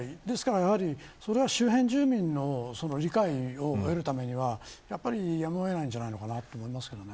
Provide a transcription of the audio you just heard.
ですから、やはり周辺住民の理解を得るためにはやっぱりやむを得ないんじゃないかなと思います。